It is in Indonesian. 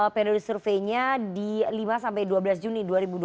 periode surveinya di lima sampai dua belas juni dua ribu dua puluh